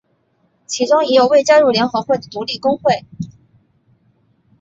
其中也有未加入联合会的独立工会。